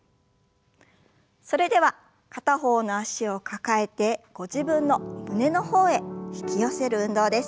それでは片方の脚を抱えてご自分の胸の方へ引き寄せる運動です。